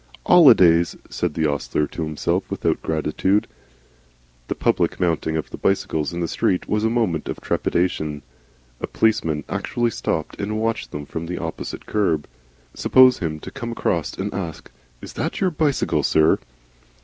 "'Olidays," said the ostler to himself, without gratitude. The public mounting of the bicycles in the street was a moment of trepidation. A policeman actually stopped and watched them from the opposite kerb. Suppose him to come across and ask: "Is that your bicycle, sir?"